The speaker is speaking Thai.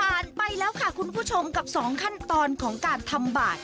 ไปแล้วค่ะคุณผู้ชมกับสองขั้นตอนของการทำบาท